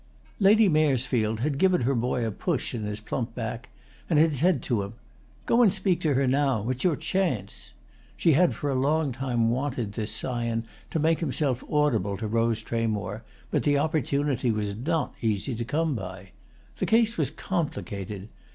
LADY MARESFIELD had given her boy a push in his plump back and had said to him, "Go and speak to her now; it's your chance." She had for a long time wanted this scion to make himself audible to Rose Tramore, but the opportunity was not easy to come by. The case was complicated.